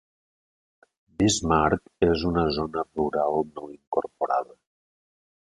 Bismarck és una zona rural no incorporada.